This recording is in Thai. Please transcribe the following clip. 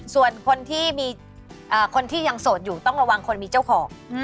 ส่วนคนที่มีคนที่ยังโสดอยู่ต้องระวังคนมีเจ้าของ